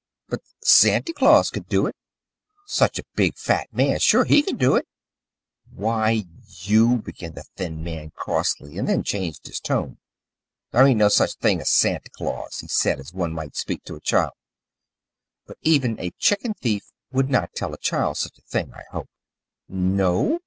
But Santy Claus could do it. Such a big, fat man. Sure he could do it." "Why, you " began the thin man crossly, and then changed his tone. "There ain't no such thing as Santy Claus," he said as one might speak to a child but even a chicken thief would not tell a child such a thing, I hope. "No?"